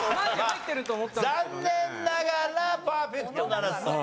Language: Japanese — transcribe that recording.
残念ながらパーフェクトならずと。